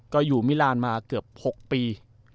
ก็อยู่มิลานมาเกือบ๖ปี